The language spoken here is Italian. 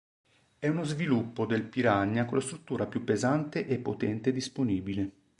È uno sviluppo del Piranha con la struttura più pesante e potente disponibile.